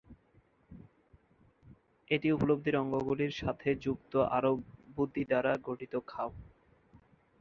এটি উপলব্ধির অঙ্গগুলির সাথে যুক্ত আরও বুদ্ধি দ্বারা গঠিত খাপ।